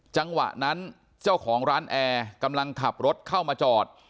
จังหวะนั้นเจ้าของร้านแอร์กำลังขับรถเข้ามาจอด